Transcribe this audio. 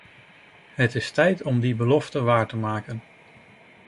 Het is tijd om die belofte waar te maken.